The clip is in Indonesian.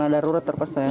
darurat terpaksa ya